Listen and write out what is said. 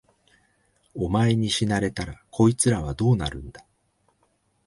お前に死なれたら、こいつらはどうなるんだ。